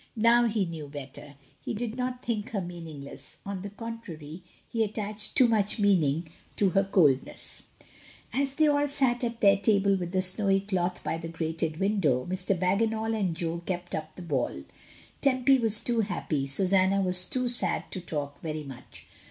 Now he knew better, he did not think her meaningless; on the contrary, he attached too much meaning to her coldness. SAYING "GOOD BYE." l2^ As they all sat at their table with the snowy doth by the grated window, Mr. Bagginal and Jo kept up the ball; Tempy was too happy, Susanna was too sad to talk very much.